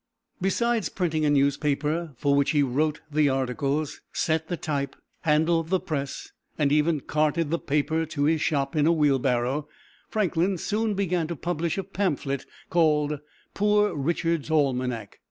Besides printing a newspaper, for which he wrote the articles, set the type, handled the press, and even carted the paper to his shop in a wheelbarrow, Franklin soon began to publish a pamphlet called "Poor Richard's Almanac."